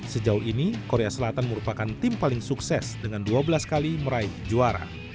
sejauh ini korea selatan merupakan tim paling sukses dengan dua belas kali meraih juara